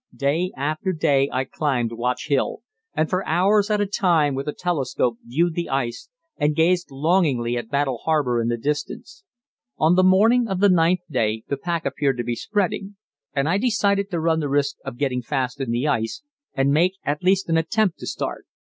Day after day I climbed Watch Hill, and for hours at a time with a telescope viewed the ice and gazed longingly at Battle Harbour in the distance. On the morning of the ninth day the pack appeared to be spreading, and I decided to run the risk of getting fast in the ice, and make at least an attempt to start.